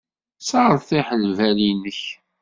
Sseṛtiḥ lbal-nnek.